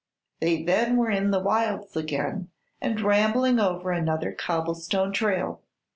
Then they were in the wilds again and rattling over another cobblestone trail.